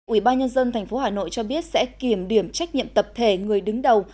ủy ban nhân dân tp hà nội cho biết sẽ kiểm điểm trách nhiệm tập thể người đứng đầu